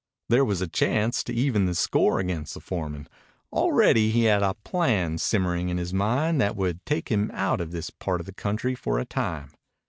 Here was a chance to even the score against the foreman. Already he had a plan simmering in his mind that would take him out of this part of the country for a time.